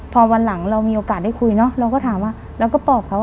พอวันหลังเรามีโอกาสได้คุยเนอะเราก็ถามว่าเราก็ปอบเขา